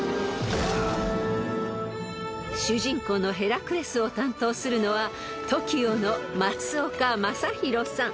［主人公のヘラクレスを担当するのはＴＯＫＩＯの松岡昌宏さん］